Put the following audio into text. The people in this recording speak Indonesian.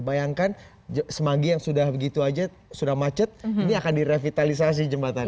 bayangkan semanggi yang sudah begitu aja sudah macet ini akan direvitalisasi jembatan